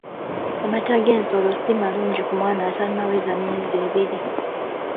Amata g'ensolo si malungi ku mwana atannaweza myezi ebiri.